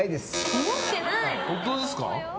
本当ですか？